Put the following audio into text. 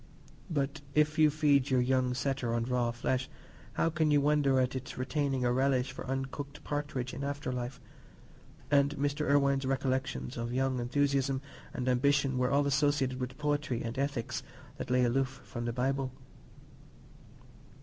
But if you feed your young setter on raw flesh, how can you wonder at its retaining a relish for uncooked partridge in after life? And Mr. Irwine's recollections of young enthusiasm and ambition were all associated with poetry and ethics that lay aloof from the Bible.